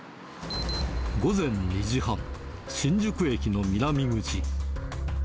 午前２時半、新宿駅の南口。